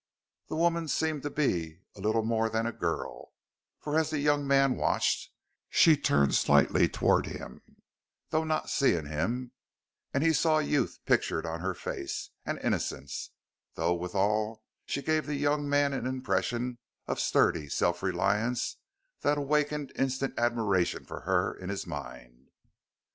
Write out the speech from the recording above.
The woman seemed to be little more than a girl, for as the young man watched she turned slightly toward him though not seeing him and he saw youth pictured on her face, and innocence, though withal she gave the young man an impression of sturdy self reliance that awakened instant admiration for her in his mind.